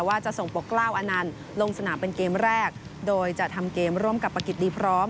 ว่าจะส่งปกกล้าวอนันต์ลงสนามเป็นเกมแรกโดยจะทำเกมร่วมกับประกิจดีพร้อม